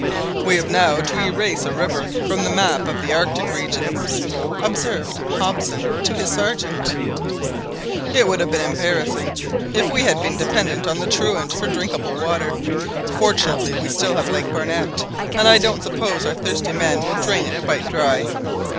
"We have now to erase a river from the map of the Arctic regions," observed Hobson to his Sergeant. "It would have been embarrassing if we had been dependent on the truant for drinkable water. Fortunately we have still Lake Barnett, and I don't suppose our thirsty men will drain it quite dry."